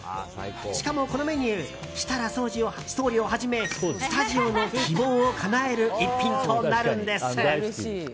しかもこのメニュー設楽総理をはじめスタジオの希望をかなえる逸品となるんです。